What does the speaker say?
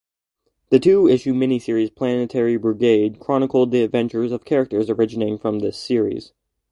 The two-issue mini-series "Planetary Brigade" chronicled the adventures of characters originating from this series.